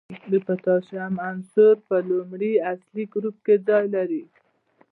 د پوتاشیم عنصر په لومړي اصلي ګروپ کې ځای لري.